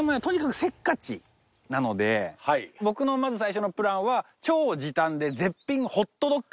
僕のまず最初のプランは超時短で絶品ホットドッグ。